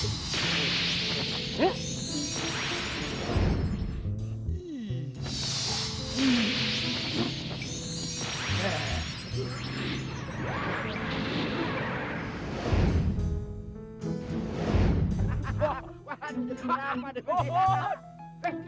biar pada dapet catah semua